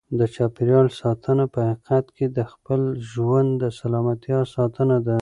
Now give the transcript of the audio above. د چاپیریال ساتنه په حقیقت کې د خپل ژوند د سلامتیا ساتنه ده.